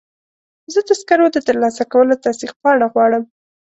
زه د سکرو د ترلاسه کولو تصدیق پاڼه غواړم.